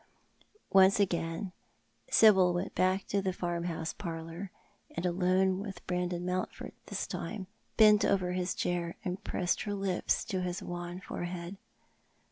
Once again Sibyl went back to the farmhouse parlour, and alone with Brandon Mouutford this time, bent over his chair, and pressed her lips to his wan forehead.